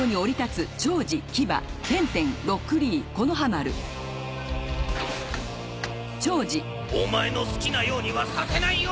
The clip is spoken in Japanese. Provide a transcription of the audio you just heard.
あ？お前の好きなようにはさせないよ！